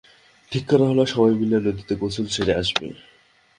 ঠিক করা হলো সবাই মিলে নদীতে গোসল সেরে আসবে।